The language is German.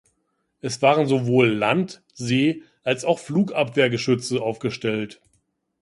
Es waren sowohl Land-, See- als auch Flugabwehrgeschütze aufgestellt.